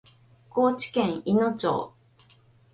高知県いの町